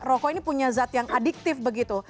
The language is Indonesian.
rokok ini punya zat yang adiktif begitu